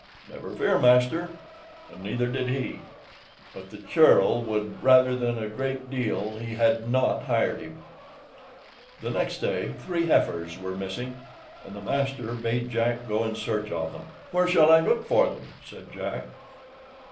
"Never fear, master!" and neither did he. But the churl would rather than a great deal he had not hired him. The next day three heifers were missing, and the master bade Jack go in search of them. "Where shall I look for them?" said Jack.